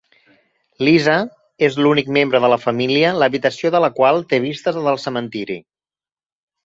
Lisa és l'únic membre de la família l'habitació de la qual té vistes del cementiri.